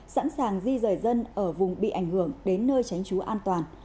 sẵn sàng di rời dân ở vùng bị ảnh hưởng đến nơi tránh trú an toàn